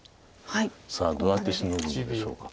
さあどうやってシノぐんでしょうか。